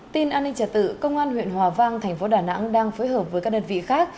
tin an ninh trả tự công an huyện hòa vang thành phố đà nẵng đang phối hợp với các đơn vị khác